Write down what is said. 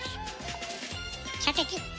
射的？